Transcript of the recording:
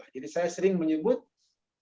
jadi saya sering menyembuhkan